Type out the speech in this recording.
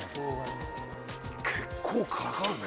結構かかるね。